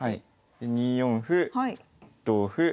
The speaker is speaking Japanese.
で２四歩同歩。